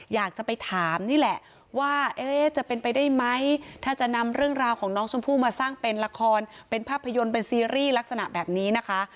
อยากจะไปถามนี่แหละว่าจะเป็นไปได้ไหมถ้าจะนำเรื่องราวของน้องชมพู่มาสร้างเป็นละครเป็นภาพยนตร์เป็นซีรีส์ลักษณะแบบนี้นะคะ